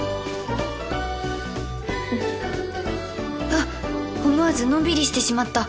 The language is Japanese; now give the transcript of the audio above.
あっ思わずのんびりしてしまった